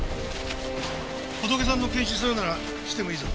ホトケさんの検視するならしてもいいぞ。